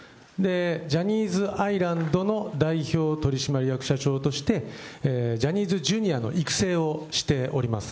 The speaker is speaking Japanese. ジャニーズアイランドの代表取締役社長として、ジャニーズＪｒ．の育成をしております。